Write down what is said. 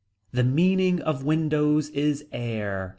The meaning of windows is air.